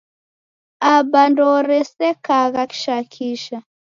Aba ndooresekagha kisha kisha.